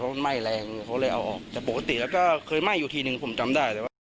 ไหม้แรงเขาเลยเอาออกแต่ปกติแล้วก็เคยไหม้อยู่ทีนึงผมจำได้แต่ว่า